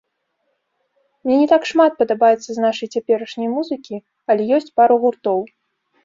Мне не так шмат падабаецца з нашай цяперашняй музыкі, але ёсць пару гуртоў.